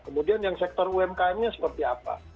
kemudian yang sektor umkmnya seperti apa